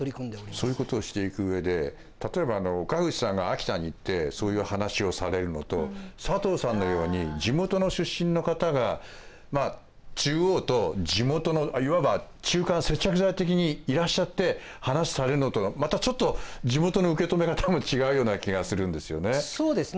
そういうことをしていく上で例えば岡藤さんが秋田に行ってそういう話をされるのと佐藤さんのように地元の出身の方が中央と地元のいわば中間接着剤的にいらっしゃって話されるのとはまたちょっと地元の受け止め方も違うような気がするんですよね。